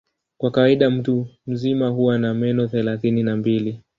Kwa kawaida mtu mzima huwa na meno thelathini na mbili.